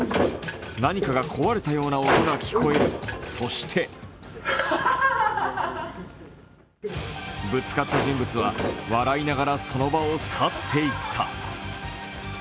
何かが壊れたような音が聞こえるそしてぶつかった人物は、笑いながらその場を去っていった。